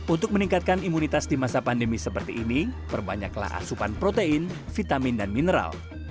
untuk meningkatkan imunitas di masa pandemi seperti ini perbanyaklah asupan protein vitamin dan mineral